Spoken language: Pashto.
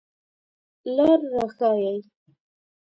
لار را ښایئ